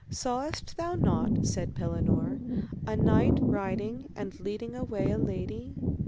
Sawest thou not, said Pellinore, a knight riding and leading away a lady?